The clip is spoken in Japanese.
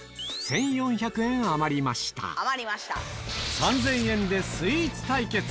３０００円でスイーツ対決